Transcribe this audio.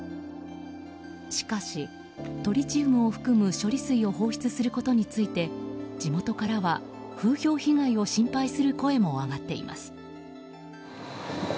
しかし、トリチウムを含む処理水を放出することについて地元からは、風評被害を心配する声も上がっています。